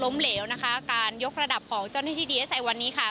เหลวนะคะการยกระดับของเจ้าหน้าที่ดีเอสไอวันนี้ค่ะ